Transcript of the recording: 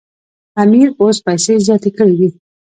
امیر اوس پیسې زیاتې کړي دي.